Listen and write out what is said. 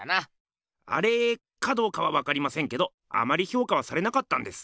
「アレー」かどうかはわかりませんけどあまりひょうかはされなかったんです。